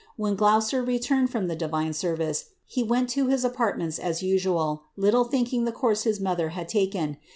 When Gloucester retume divine service, he went to his apartments as usual, little thinki course his mother had taken.